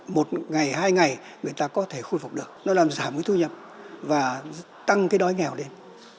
một ngày hai ngày người ta có thể khôi phục được nó làm giảm cái thu nhập và tăng cái đói nghèo lên